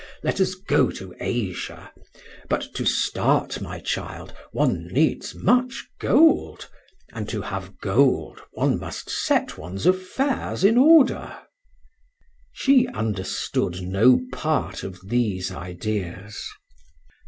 Let us go to Asia; but to start, my child, one needs much gold, and to have gold one must set one's affairs in order." She understood no part of these ideas.